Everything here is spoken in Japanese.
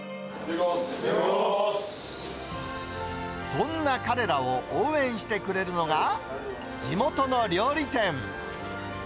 そんな彼らを応援してくれるのが、地元の料理店。